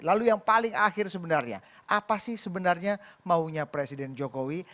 lalu yang paling akhir sebenarnya apa sih sebenarnya maunya presiden jokowi